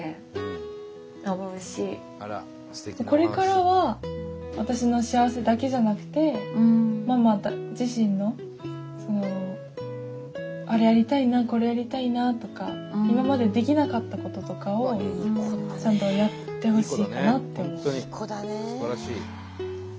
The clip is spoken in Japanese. これからは私の幸せだけじゃなくてママ自身のあれやりたいなこれやりたいなとか今までできなかったこととかをちゃんとやってほしいかなって思う。